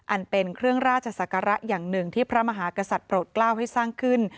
อันเป็นเครื่องราชศักระอย่างหนึ่งที่พระมหากษัตริย์โปรดกล้าวให้สร้างขึ้น